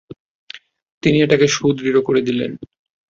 তিনি এটাকে সুদৃঢ় করে দিলেন।